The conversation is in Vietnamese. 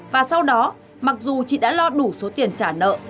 và sau đó mặc dù chị đã lo đủ số tiền trả nợ